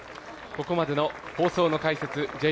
ここまでの放送の解説